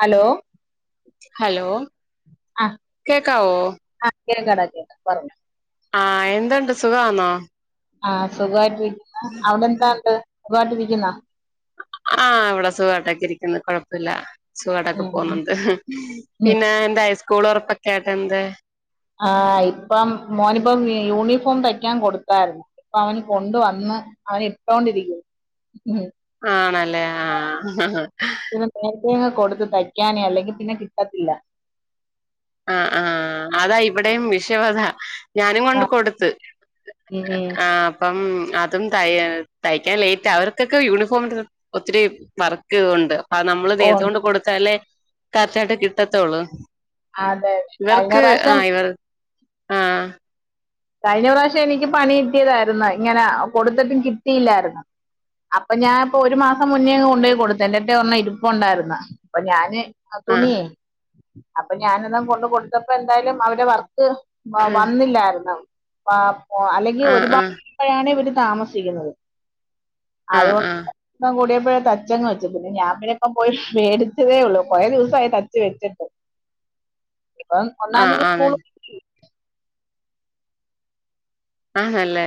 Hello hello ആഹ് കേക്കാവോ ആഹ് കേൾക്കാടാ കേക്ക പറഞ്ഞോ ആഹ് എന്തുണ്ട് സുഖാന്നോ ആഹ് സുഖായിട്ട് ഇരിക്കുന്നു അവടെ എന്താണ്ട് സുഖായിട്ട് ഇരിക്കുന്നോ ആഹ് ഇവടെ സുഖായിട്ടൊക്കെ ഇരിക്കുന്നു കൊഴപ്പില്ല സുഖായിട്ടൊക്കെ ഉം ഉം പോകുന്നുണ്ട് ഉം. പിന്നെ എന്താ സ്കൂൾ തൊറപ്പൊക്കായിട്ട് എന്ത് ആഹ് ഇപ്പം മോനിപ്പം യൂണിഫോം തയ്ക്കാൻ കൊടുത്തായിരുന്നു ഇപ്പൊ അവൻ കൊണ്ട് വന്ന് അവൻ ഇട്ടോണ്ടിരിക്കുന്നു ഉം ആണല്ലേ ആഹ് [unintelligible] കൊടുത്ത് തയ്ക്കാനേ അല്ലെങ്കിൽ പിന്നെ കിട്ടത്തില്ല ആഹ് ആഹ് അതാ ഇവിടെയും വിഷയം അതാ ഞാനും ആ കൊണ്ട് കൊടുത്ത് ഉം ഉം. ആഹ് അം അതും ത തയ്ക്കാൻ ലേറ്റ അവർക്കൊക്കെ യൂണിഫോം ഒത്തിരി വർക്ക് ഉണ്ട് ആ നമ്മള് ഓ നേരത്തെ കൊണ്ട് കൊടുത്താലേ കറക്റ്റ് ആയിട്ട് കിട്ടത്തുള്ളൂ ആതെ ഇവർക്ക് ആഹ് ഇവർ ആഹ് കഴിഞ്ഞ പ്രാവശ്യം എനിക്ക് പണി കിട്ടിയതായിരുന്നു ഇങ്ങനെ കൊടുത്തിട്ടും കിട്ടിയില്ലാരുന്നു അപ്പൊ ഞാൻ ഇപ്പൊ ഒരു മാസം മുന്നേങ് കൊണ്ടോയി കൊടുത്തു എന്റെടുത്ത് ഒരെണ്ണം ഇരിപ്പ് ഉണ്ടായിര്ന്ന് അപ്പൊ ഞാന് ആ ആഹ് തുണിയേ അപ്പൊ ഞാന് അന്ന് കൊണ്ട് കൊടുത്തപ്പോ എന്തായാലും അവരെ വർക്ക് വ ആഹ് വന്നില്ലായിരുന്നു ആഹ് അ അല്ലെങ്കിൽ ആഹ് ഒരുപാട് ആഹ് ഇപ്പഴാണ് ഇവര് താമസിക്കുന്നത് അതു ആഹ് കൊണ്ട് ആഹ് [unintelligible] കൂടിയപ്പോഴെ തച്ചങ്ങ് വെച്ചു പിന്നെ ഞാൻ പിന്നെ ഇപ്പം പോയി മേടിച്ചതേ ഉള്ളൂ കൊറെ ദിവസായി തച്ച് വെച്ചിട്ട് [inaudible] ഇപ്പം ഒന്നാം ആഹ് തീയതി ആണ് സ്കൂള് ആണല്ലേ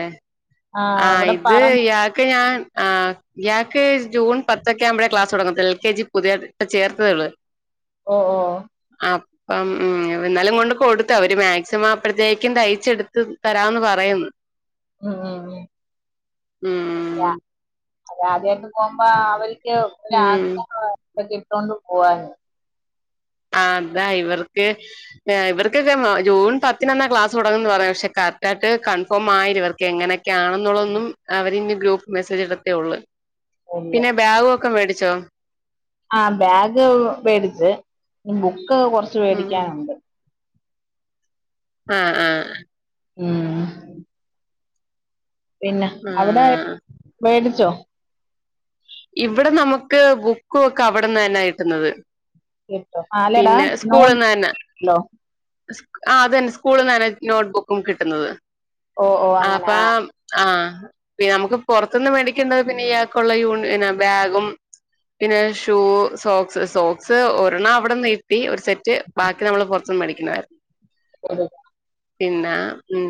ആ ആഹ് ഇവിടെ ഇത് പറഞ്ഞു ഇയാൾക്ക് ഞാൻ ആഹ് ഇയാൾക്ക് ജൂൺ പത്തൊക്കെ ആവുമ്പഴേ ക്ലാസ് തുടങ്ങത്തൊള്ളു എൽ കെ ജി പുതിയ ചേർത്തേ ഉള്ളൂ [inaudible] ഓഹ് ഓഹ് ആഹ് അപ്പം ഉം എന്നാലും കൊണ്ട് കൊടുത്തു അവര് മാക്സിമം അപ്പഴത്തേക്കും തയ്ച്ചെടുത്ത് തരാന്ന് പറ പറയും ഉം ഉം ഉം ഊം അതാ അത ആദ്യായിട്ട് പോകുമ്പോ അവർക്ക് ഒരു ഉം ആഗ്രഹവായി ഇതൊക്കെ ഇട്ടൊണ്ട് പോവാന് ആഹ് ഇതാ ഇവർക്ക് ഇവർക്കൊക്കെ ജൂൺ പത്തിനെന്നാ ക്ലാസ് തുടങ്ങുന്നെന്ന് പറയുന്നെ പക്ഷെ കറക്റ്റായിട്ട് കൺഫേം ആയില്ല ഇവർക്കെങ്ങനെക് ക്കെയാണെന്നുള്ളൊന്നും അവരിനി ഗ്രൂപ്പ് മെസ്സേജ് ഇടത്തേള്ളൂ ഇല്ല പിന്നെ ബാഗുമൊക്കെ മേടിച്ചോ ആഹ് ബാഗ് മേടിച്ച് ബുക്ക് കുറച്ച് ഉം വേടിക്കാനുണ്ട് ആഹ് ആഹ് ഉം പിന്നെ അവിടെ ആഹ് മേടിച്ചോ ഇവിടെ നമുക്ക് ബുക്കുവൊക്കെ അവിടന്നന്നാ കിട്ടുന്നത് കിട്ടും അതല്ലടാ നോട്ട് ബുക്ക് [inaudible] ണ്ടല്ലോ [inaudible] സ്കു ആഹ് അതന്നെ സ്കൂളീന്നന്നെ നോട്ട്ബുക്കും കിട്ടുന്നത് ഓ ഓ അപ്പ അങ്ങനെ ആ ആഹ് പിന്നെ അമ്മക്ക് പൊറത്ത്ന്ന് മേടിക്കണ്ടത് പിന്നെ ഇയാക്കുള്ള യൂണി പിന്നെ ബാഗും പിന്നെ ഷൂ സോക്സ് സോക്സ് ഒരെണ്ണം അവിടെന്ന് കിട്ടി സെറ്റ് ബാക്കി നമ്മള് പൊറത്തുന്ന് മേടിക്കണാരുന്നു [unintelligible] പിന്നെ ഉം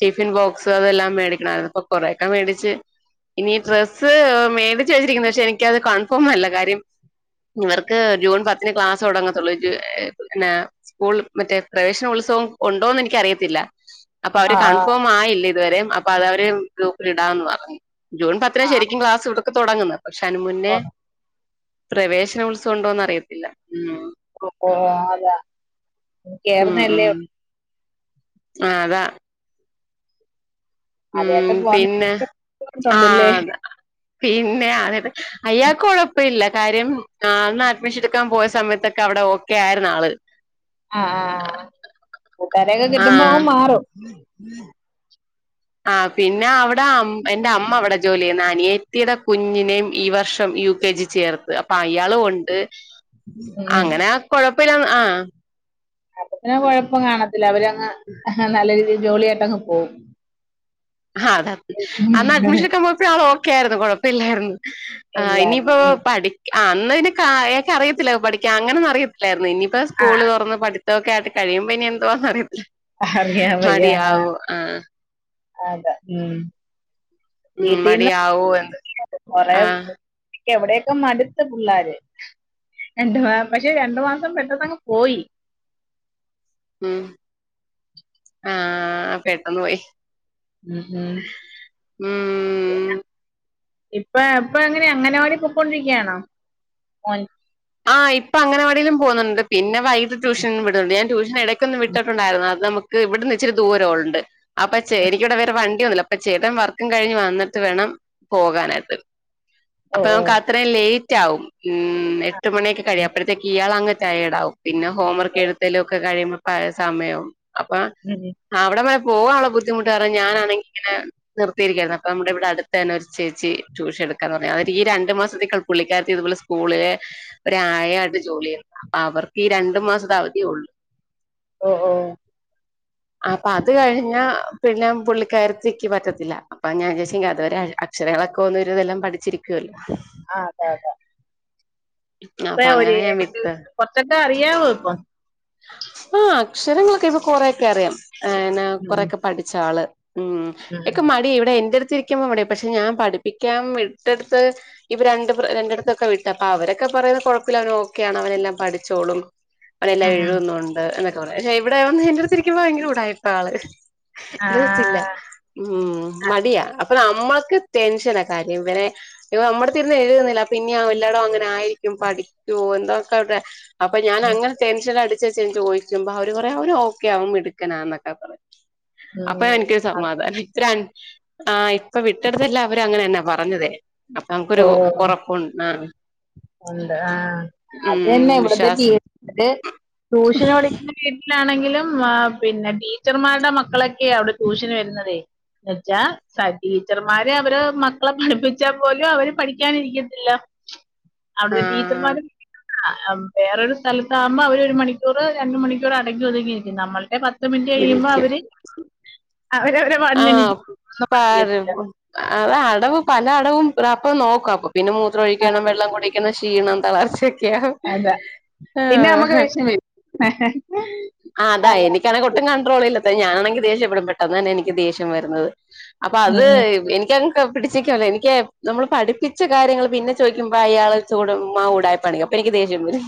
ടിഫിൻ ബോക്സ് അതെല്ലാം മേടിക്കണമാരുന്നു ഇപ്പൊ കൊറേയൊക്കെ മേടിച്ച് ഇനി ഡ്രസ്സ് മേടിച്ചു വെച്ചിരിക്കുന്നു പക്ഷെ എനിക്കത് കൺഫേം അല്ല കാര്യം ഇവർക്ക് ജൂൺ പത്തിന് ക്ലാസ് തുടങ്ങത്തുള്ളൂ പിന്നെ സ്കൂള് മറ്റേ പ്രവേശന ഉത്സവം ഒണ്ടോന്ന് എനിക്കറിയത്തില്ല അപ്പൊ അവര് ആ കൺഫേം ആയില്ല ഇതുവരെ അപ്പൊ അതവര് ഗ്രൂപ്പിൽ ഇടാന്ന് പറഞ്ഞു ജൂൺ പത്തിനാ ആ ശരിക്കും ആ ക്ലാസ്സ് ഇവിടൊക്കെ തൊടങ്ങുന്നത് പക്ഷെ അയ്നു മുന്നേ പ്രവേശനോത്സവം ഉണ്ടോന്ന് അറിയത്തില്ല ഉം അപ്പൊ [unintelligible] അതാ കേറുന്നയല്ലേ ഒൾ ആഹ് അതാ ഉം ആദ്യമായിട്ട് പോകുന്ന പിന്നെ ബുദ്ധിമുട്ടുണ്ടല്ലേ ആഹ് അതാ പിന്നെ അതേയതേ അയാക്ക് കൊഴപ്പവില്ല കാര്യം ആഹ് അന്നഡ്മിഷൻ എടുക്കാൻ പോയ സമയത്തൊക്കെ അവിടെ ഓക്കെ ആയിരുന്നാള് ആഹ് ആഹ് ആഹ് കൂട്ടുകാരേയൊക്കെ കിട്ടുമ്പോ ആ അങ്ങ് മാറും [inaudible] ആഹ് പിന്നെ അവിടെ അം എന്റെ അമ്മ അവിടെ ജോലി ചെയ്യ്ന്ന് അനിയത്തീടെ കുഞ്ഞിനേം ഈ വർഷം യു കെ ജി ചേർത്ത് അപ്പൊ അയാളും ഒണ്ട് ഉം ഉം. അങ്ങനെ കൊഴപ്പമില്ലാന്ന് ആഹ് അപ്പപിന്നെ കൊഴപ്പം കാണത്തില്ല അവരങ്ങ് നല്ല രീതി ജോളിയായിട്ടങ്ങ് പോവും ആഹ് അതാ അന്ന് അഡ്മിഷനെട്ക്കാ പോയപ്പഴും ആൾ ഓക്കെ ആരുന്നു കൊഴപ്പില്ലാരുന്നു ആഹ് ഇല്ലായിരുന്നു ഇനിയിപ്പോ ഉം. പഠിക്ക് അന്ന് പിന്നെ കാ അയാക്ക് അറിയത്തില്ല പഠിക്കാ അങ്ങനൊന്നു അറിയത് ല്ലായിരുന്നു ഇനിയിപ്പോ ആ സ്കൂള് തുറന്ന് പഠിത്തൊക്കെ ആയിട്ട് കഴിയുമ്പോ ഇനി എന്തുവാന്നറിയത്തില്ല ആ, അറിയാം മടിയാവുവോ ആഹ് അതാ ഉം ഉം വീട്ടിൽ നിന്ന് മടിയാവുവോ എന്ന് ആഹ് ക്ക് എവിടേക്കെ മടുത്ത് പിള്ളാര് എന്തുവാ പക്ഷെ രണ്ടു മാസം പെട്ടെന്നങ്ങ് പോയി ഉം ആഹ് പെട്ടെന്ന് പോയി ഉം ഉം ഉം ഇപ്പ ഇപ്പ എങ്ങനെയാ അങ്ങനവാടി പൊക്കോണ്ടിരിക്ക്യാണോ മോൻ ആഹ് ഇപ്പ അംഗനവാടീലും പോന്നുണ്ട് പിന്നെ വൈകിട്ട് ട്യൂഷനും വിടുന്നുണ്ട് ഞാൻ ട്യൂഷന് എടക്കൊന്ന് വിട്ടിട്ടുണ്ടാരുന്നു അത് നമുക്ക് ഇവിടുന്ന് ഇച്ചിരി ദൂരവൊണ്ട് അപ്പൊ ചെ എനിക്കിവിടെ വേറെ വണ്ടിയോന്നുല്ല അപ്പൊ ചേട്ട്ൻ വർക്കും കഴിഞ്ഞ് വന്നിട്ട് വേണം പോകാനായിട്ട് ഓ അപ്പൊ ഓ നമുക്ക് അത്രയും ലേറ്റ് ആവും ഉം ആ, എട്ട് മണിയൊക്കെ കഴിയും ഉം അപ്പോഴത്തേക്ക് ഇയാൾ അങ്ങ് റ്റയെഡവും പിന്നെ ഹോം വർക്ക് ഓ എഴുത്തലും ഒക്കെ കഴിയുമ്പോപ്പ സമയവും അപ്പൊ അതേ ആഹ് അവിടെവരെ പോകാ ഉള്ള ബുദ്ധിമുട്ട് കാരണം ഞാനാണങ്കി ഇങ്ങനെ നിർത്തിയിരിക്കായിരുന്നു അപ്പൊ നമ്മുടെ ഇവിടെ അടുത്ത തന്നെ ഒരു ചേച്ചി ട്ടൂഷ എടുക്കാന്ന് പറ അവരി രണ്ട് മാസത്തേക്കൾ പുള്ളിക്കാരത്തി ഇതുപോലെ സ്കൂളിലെ ഒരായായിട്ട് ജോലി ചെയ്യ അവർക്കി രണ്ടു മാസത്തെ അവധിയേ ഉള്ളൂ ഓഹ് ഓഹ് അപ്പൊ അത് കഴിഞ്ഞ പിന്നെ പുള്ളിക്കരത്തിക്ക് പറ്റത്തില്ല അപ്പൊ ഞാൻ വിച്ചാര്ച്ച്ങ്കി അതുവരെ അക്ഷരങ്ങളൊക്കെ ഒന്ന് ഒരുവിദെല്ലാം പഠിച്ചിരിക്കുവല്ലോ? ആഹ് അത അതെ. [inaudible] ഇപ്പഴാ ഒരു അങ്ങനെ ഞാൻ ഉം വിട്ട്. കൊറച്ചൊക്കെ അറിയാവോ ഇപ്പൊ? ആഹ് അക്ഷരങ്ങളൊക്കെ ഇപ്പൊ കൊറെയൊക്കെ അറിയാം ഏഹ് ന്ന ഉം കൊറേക്കെ പഠിച്ച ആള്. ഉം എക്ക് മടി ഇവിടെ എന്റെടുത്ത് ഇരിക്കുമ്പോ മടിയാ പക്ഷെ ഞാൻ പഠിപ്പിക്കാം വിട്ടട്ത്ത് ഇപ്പൊ രണ്ട് രണ്ടിടത്തൊക്കെ വിട്ട് അപ്പൊ അവരൊക്കെ പറയുന്നേ കൊഴപ്പല്ല അവൻ ഓക്കെയാണ് അവനെല്ലാം പഠിച്ചോളും അവനെല്ലാം ഉം ഉം എഴുതുന്നുണ്ട് എന്നൊക്കെ പറയാ പക്ഷെ ഇവിടെ വന്ന് എന്റെടുത്തിരിക്കുമ്പോ ഭയങ്കര ഉടായിപ്പാള്. ആ എഴ്തത്തില്ല. ഉം ആ, മടിയാ അപ്പൊ നമ്മക്ക് ടെൻഷന കാര്യം ഇവനെ ഇവ നമ്മട്ത്തിരുന്ന് എഴുതുന്നില്ല പിന്നയാ എല്ലാടും അങ്ങനെ ആയിരിക്കും പഠിക്കുവോ എന്തോക്കെവിടെ അപ്പൊ ഉം ഞാനങ്ങനെ ടെൻഷൻ അടിചേച്ച്ചെന്ന് ചോയിക്കുമ്പോ അവര് പറയും അവര് ഓക്കെയാവും മിടുക്കനാന്നൊക്കെ പറീം അപ്പൊ ഉം, എനിക്ക് അത്, സമാധാനായി ഇപ്പ ര ആഹ് ഇപ്പൊ വിട്ടടെത്തെല്ലാം അവര് അങ്ങനെന്നാ പറഞ്ഞതേ. അപ്പൊ നമക്കൊരു ഓ ഒറപ്പു ആഹ് ഉണ്ട് ആഹ് ഉം അതന്നെ ഇവിടത്തെ വിശ്വാസം വീട്ട്ല് ട്യൂഷന് പഠിക്കുന്ന വീട്ടിലാണെങ്കിലും ആഹ് പിന്നെ ടീച്ചർമാരുടെ മക്കളെക്കെ അവിടെ ട്യൂഷന് വരുന്നതേ വെച്ചാ സാ ടീച്ചർമാര് അവര് മക്കളെ പഠിപ്പിച്ചാ പോലും അവര് പഠിക്കാനിരിക്കത്തില്ല ആ അവിടുത്തെ ടീച്ചർമാരും ആഹ് വേറൊരു സ്ഥലത്താകുമ്പോ അവര് ഒരു മണിക്കൂറ് രണ്ട് മണിക്കൂറ് അടങ്ങി ഒതുങ്ങിയിരിക്കും നമ്മൾടെ പ ത്ത് മിനിറ്റ് കഴിയുമ്പോ ഇരിക്കും അവര് അവരവരെ പാട്ടിന് എണീച്ച് പോവും ഒന്നും പാര് പടിക്കത്തില്ല. ആഹ് അത് അടവും പല അടവും അപ്പൊ നോക്കാ അപ്പൊ പിന്നെ ആ, മൂത്രോഴിക്കണം വെള്ളം കൂടി ക്കണം, ക്ഷീണം, തളർച്ച ഒക്കെയാവും അതാ പിന്നെ നമുക്ക് ആഹ് ദേഷ്യം വരും അതാ എനിക്കാണെ ഒട്ടും കണ്ട്രോളില്ലാത്ത ഞാനാണെങ്കി ദേഷ്യപ്പെടും പെട്ടെന്ന് തന്നെ എനിക്ക് ദേഷ്യം വരുന്നത് അപ്പൊ ഉം അത് ഉം എനിക്കാണെങ്കി ക്കെ പിടിച്ചേക്കല്ലേ? എനിക്ക് നമ്മള് പഠിപ്പിച്ച കാര്യങ്ങള് പിന്നെ ചോയിക്കുമ്പോ അയാള് ചൂടമ്മാ ഉടായി പ്പാണിക്കും അപ്പൊ എനിക്ക് ദേഷ്യം വരും.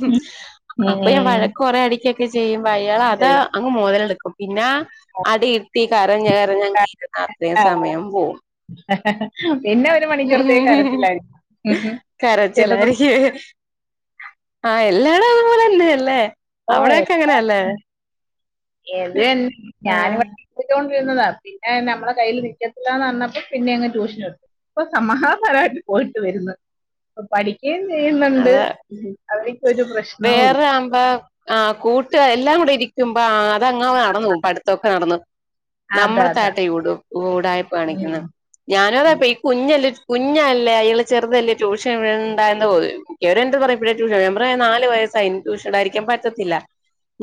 ഉം അപ്പൊ ഞാൻ ഉം. വഴക്ക് പറേ അടിക്കൊക്കെ ചെയ്യുംമ്പോ അയാളത് ശരി അങ്ങ് മൊതലെടുക്കും പിന്ന അടിയിരുത്തി കരഞ്ഞ് കരഞ്ഞങ്ങിര്ന്ന് അത്രേ ആ, സമയം പോവും. പിന്നെ ഒരു മണിക്കൂറത്തേക്ക് കരച്ചിലായിരിക്കും. ചെറുത് കരച്ചിലാരിക്കുവേ. ആഹ് എല്ലാടോം ഇതുപോലെ തന്നെ അല്ലേ? ഓഹ് എല്ലാട്ത്തും അതന്നെ ഞാന് ആഹ് പ ഠിപ്പിച്ചോണ്ടിരുന്നതാ പിന്നെ ഞമ്മളെ കയ്യില് നിക്കത്തില്ലാന്നർഞ്ഞപ്പോ പിന്നെ അങ്ങ് ട്യൂഷനെടുത്തു. ഇപ്പൊ സമാഹാസരായിട്ട് പോയിട്ട് വരുന്നത് ഇപ്പൊ പഠി ക്കേം ചെയ്യുന്നുണ്ട് അതെ അവര്ക്കൊരു പ്രശ്നൊ ഇല്ല. അ ആഹ് കൂട്ട് എല്ലാം കൂടെ ഇരിക്കുമ്പോ ആഹ് അതങ്ങ് നട ന്നോവും ഇപ്പ അട്ത്തൊക്കെ നടന്ന്. അതാ അതാ നമ്മടത്തായിട്ടാ ഉടായ്പ്പ് ഉം, കാണിക്കുന്ന്. ഞാനും ഉം, അതാപ്പീ ഈ കുഞ്ഞല്ലേ കുഞ്ഞല്ലേ അയാള് ചെറ്തല്ലേ ട്യൂഷൻ വിടണ്ടായ്ന്ന് പോലും അവരെന്ത് പറയുമ്പഴേ ട്യൂഷൻ ഞാപറയും നാല് വയസ്സായി ഇനി ട്യൂഷന് വിടാതിരിക്കാൻ പറ്റത്തില്ലാന്ന്.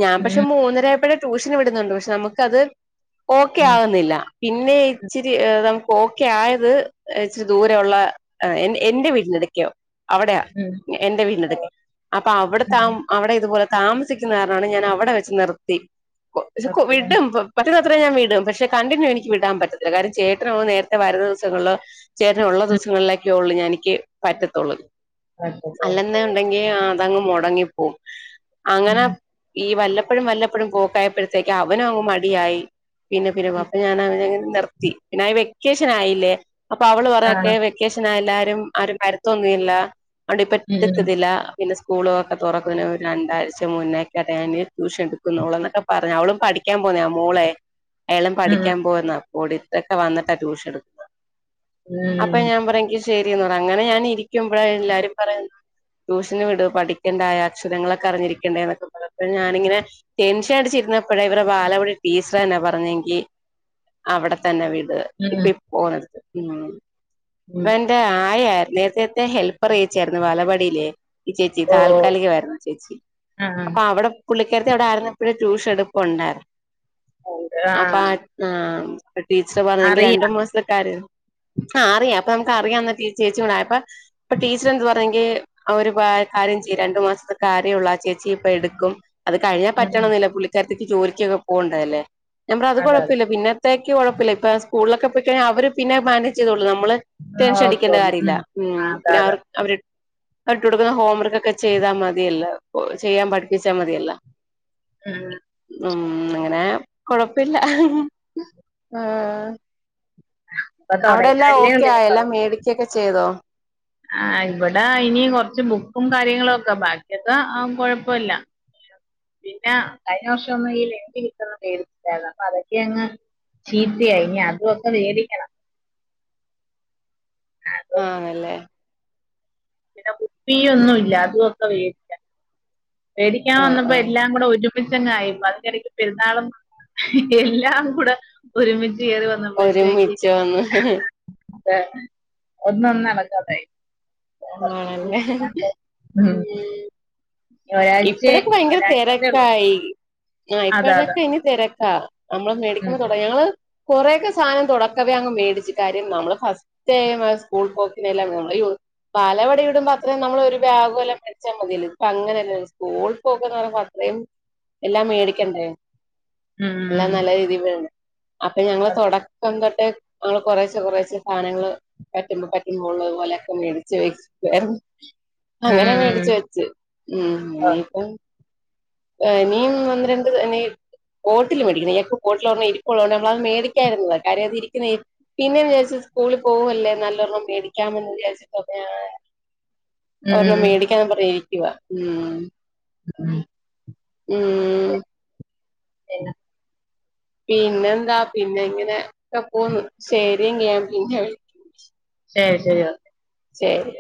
ഞാൻ പക്ഷെ ഉം, മൂന്നരായപ്പഴേ ട്യൂഷന് വിടുന്നുണ്ട്. പക്ഷെ നമുക്കത് ഓക്കെ ഉം, ആവുന്നില്ല. പിന്നെ ഇച്ചിരി ഏഹ് നമുക്ക് ഓക്കെ ആയത് ഏഹ് ഇച്ചിരി ദൂരെ ഒള്ള ആഹ് എൻ എന്റെ വീട്ടിനടുക്കയോ അവിടെയാ ഉം, എന്റെ വീട്ടിനടുക്കേ. അപ്പൊ അവിട്ത്തെ ഉം. ആഹ് അവിടെ ഇതുപോലെ താമസിക്കുന്ന കാരണാണ് ഞാൻ അവിടെ വെച്ച് നിർത്തി. [unintelligible] ഓക്കേ. വിടും പൊ പറ്റുന്നത്രെ ഞാൻ വിടും. പക്ഷെ കണ്ടിന്യൂ എനിക്ക് വിടാൻ പറ്റത്തില്ല. കാര്യം ചേട്ടനങ്ങ് നേരത്തെ വരുന്ന ദിവസങ്ങളില് ചേട്ടനുള്ള ഉം, ദിവസങ്ങളിലേക്കെയൊള്ളൂ ഞാ എനിക്ക് പറ്റത്തൊള്ളൂ. ഓക്കേ. ഓക്കേ. അല്ലെന്ന് ഉണ്ടെങ്കി അതങ്ങ് മുടങ്ങിപ്പോവും. അങ്ങനെ ഉം, ഈ വല്ലപ്പഴും വല്ലപ്പഴും പോക്കായപ്പഴത്തേക്ക് അവനും അങ്ങ് മടിയായി പിന്നെ പിന്നെപ്പോം. അപ്പൊ ഞാനവന് നിർത്തി. പിന്നെ വെക്കേഷൻ ആയില്ലേ അപ്പൊ അവള് ആ, പറയാ വെക്കേഷനായ എല്ലാരും ആരും വരത്തൊന്നുവില്ല. അവിടെ ഉം, ഉം, പറ്റത്തില്ല പിന്നെ സ്കൂളുകളൊക്കെ തുറക്കുന്ന ഒരു രണ്ടാഴ്ച മുന്നേ ക്കെ ഞാന് ട്യൂഷൻ എടുക്കുന്നുള്ളൂ എന്നൊക്കെ പറഞ്ഞു അവളും പഠിക്കാൻ പോന്നയാ മോളെ അയാളും ഉം, പഠിക്കാൻ പോവുന്നയാ പോയിട്ടൊക്കെ വന്നിട്ടാ ട്യൂഷൻ എട്ക്ക അപ്പൊ ഞാൻ പറയ എൻങ്കി ശരിന്ന് പറയ അങ്ങനെ ഞാൻ ഇരിക്കുമ്പോഴാ എല്ലാരും പറയു ട്യൂഷന് വിടൂ പഠിക്കേണ്ടാ യോ അക്ഷരങ്ങളൊക്കെ അറിഞ്ഞിരിക്കേണ്ടേ എന്നൊക്കെ പറഞ്ഞപ്പോ ഞാനിങ്ങനെ ടെൻഷൻ അടിച്ചിരുന്നപ്പഴേ ഇവരെ ബാലവാടി ടീച്ചറന്നെ പറഞ്ഞെ എൻകി അവടെത്തന്നെ വിട് ഉം, ഇപ്പീ പോന്നത് ഉം ഉം. എന്തെ ആയയാര്ന്ന് നേരത്തെത്തെ ഹെൽപ്പറെ ചേർന്നു വാല വാടിലേ ഈ ചേച്ചി ഓ താൽക്കാലികമായിരുന്നു ചേച്ചി ആ അപ്പം അവ്ടെ പുള്ളിക്കാരത്തി അവ്ടെ ആയിരുന്നപ്പൊഴേ ട്യൂഷൻ എടുപ്പുണ്ടായിര്ന്നു അപ്പൊ ആഹ് ആഹ് ടീച്ചറ് പറഞ്ഞു എൻക് രണ്ട് അറിയാം മാസത്തത്തെക്കാര്യ ആഹ് അറിയാം അപ്പ അമ്മക്ക് അറിയാവുന്ന ചേച്ചി കൂടായപ്പൊ ടീ ച്ചെന്ത് പറഞ്ഞെങ്കിൽ അവര് പാ കാര്യം ചെയ്യ് രണ്ടു മാസത്തെ കാര്യയൊള്ളൂ ആ ചേച്ചി ഇപ്പ എടുക്കും. അത് കഴിഞ്ഞാൻ ഉം പറ്റണോന്നില്ല പുള്ളിക്കാരത്തിക്ക് ജോലിക്കൊക്കെ പോകണ്ടതല്ലേ ഞാൻ പറഞ്ഞു അത് അതെ അതെ കുഴപ്പമില്ല പിന്നെ ത്തേക്ക് കുഴപ്പമില്ല ഇപ്പ സ്കൂള്‌ലൊക്കെ പോയ് കഴിഞ്ഞാൽ അവര് പിന്നെ മാനേജ്യ്തോളൂ നമ്മള് ടെൻഷൻ ഓക്കെ അടിക്കേണ്ട കാര്യ ഇല്ല ഉം ഉം അതെ പിന്നെ അവർ അതെ അവര് അവര് ഇട്ട് കൊടുക്കുന്ന ഹോംവർക്കൊക്കെ ചെയ്താൽ മതിയല്ലോ ചെയ്യാൻ പഠിപ്പിച്ചാൽ മതിയല്ലോ ഉം ഉം അങ്ങനെ കൊഴപ്പമില്ല ആഹ് ഇപ്പൊ അവിടെ എല്ലാം തുടങ്ങിയതല്ലേ ഓക്കെ ഉള്ളൂ ഇനി ആയോ പറ എല്ലാം മേടിക്കൊക്കെ ചെയ്തോ ആഹ് ഇവിടെ ഇനി കൊറച്ച് ബുക്കും കാര്യങ്ങളൊക്കെ ബാക്കിയൊക്കെ ആഹ് കൊഴപ്പമില്ല. പിന്നെ കഴിഞ്ഞ വർഷം ഈ [unintelligible] മേടിച്ചാര്ന്നു അപ്പൊ അതൊക്കെ അങ്ങ് ചീത്തയായി ഇനി അതൊക്കെ വേടിക്കണം. അത് ആണല്ലേ പിന്നെ കുപ്പിയൊന്നും ഇല്ല അത്‌ ഒക്കെ വേ ടിക്കാൻ ആ വന്നപ്പോ ആ എല്ലാം കൂടെ ഒരു മിച്ചങ്ങായി അതിന്നിടക്ക് പെരുന്നാളും എല്ലാം കൂടെ ഒരുമിച്ച് കേറിവ മ്പൾത്തേക്ക് ഒരുമിച്ച് വന്ന് ആഹ് ഒന്നൊന്നു ആണല്ലേ [unintelligible] ഉം ഇനി ഇപ്പഴ ഒരാഴ്ചേ ഒക്കെ ഭയങ്കര ഒരാഴ്ചേന്നേ ഉള്ളൂ തിരക്കായി. ആഹ് അതെ അതെ ഇപ്പോഴൊക്കെ ഇനി തിരക്കാ നമ്മള് ഉം മേടിക്കുമ്പൊ തുടങ്ങി ഞങ്ങള് കൊറേക്കെ സാനം തുടക്കവേ അങ്ങ് മേടിച്ച് കാര്യം നമ്മള് ഫസ് [unintelligible] സ്കൂൾ പോക്കിനെല്ലാം [unintelligible] [unintelligible] ഇടുമ്പോ അത്രേം നമ്മളൊരു ബാഗ് വല്ലോം വെച്ചാ മതിയല്ലോ ത്പ്പങ്ങനല്ലല്ലോ കൂൾ പോക്ക്ന്ന് പറയുമ്പോ അത്രയും എല്ലാം മേടിക്കണ്ടേ ഉം എല്ലാം നല്ല രീതി വേണം അപ്പൊ ഞങ്ങള് തൊടക്കം തൊട്ട് നമ്മള് കൊറേശ്ശെ കൊറേശ്ശെ സാനങ്ങള് പറ്റുമ്പോ പറ്റുമ്പോ ഉള്ളത് പോലെയൊക്കെ മേടിച്ച് വെയ് [unintelligible] ഉം ഉം അങ്ങനെ ഉം മേടിച്ച ഉം വെച്ച് ഉം ഇനീപ്പം എനിയും ഒന്ന് രണ്ട് എനി ബോട്ടില് മേടിക്കണം [unintelligible] ബോട്ടിലൊരെണ്ണം ഇരിപ്പുള്ളോണ്ട് നമ്മളത് മേടിക്കായിരുന്നതാ കാര്യം അത് ഇരിക്കുന്ന എ പിന്നെ ന്ന് വിചാരിച്ച സ്കൂളിൽ പോവല്ലേ നല്ലൊരെണ്ണം മേടിക്കാമെന്ന് വിചാരിച്ചിട്ട് അപ്പൊ ഞാൻ ഉം ഉം ഒരെണ്ണം ഉം മേടിക്കാന്നും പർഞ് രിക്കുവ ഉം [unintelligible] ഉം പിന്നെ പിന്നെന്താ പിന്നെ ങ്ങനെ ക്കെ പോന്നു ശെരി ന്നാ ഞാൻ പിന്നെ വിളി ശെരി ശെരി ഓ ശെരി